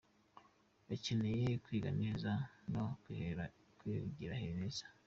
Bakeneye kwiga neza no kwigira heza.